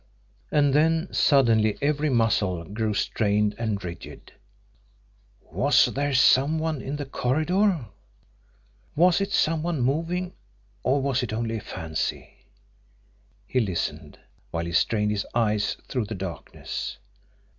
And then suddenly every muscle grew strained and rigid. WAS THERE SOME ONE IN THE CORRIDOR? Was it some one moving or was it only fancy? He listened while he strained his eyes through the darkness.